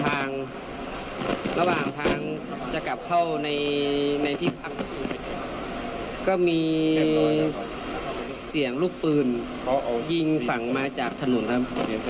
ระหว่างทางจะกลับเข้าในในที่พักก็มีเสียงลูกปืนเขายิงฝั่งมาจากถนนครับ